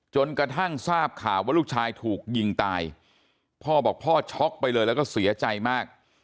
จนกระทั่งทราบข่าวว่าลูกชายถูกยิงตายพ่อบอกพ่อช็อกไปเลยแล้วก็เสียใจมาก